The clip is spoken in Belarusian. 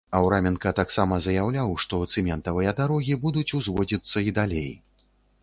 Аўраменка таксама заяўляў, што цэментавыя дарогі будуць узводзіцца і далей.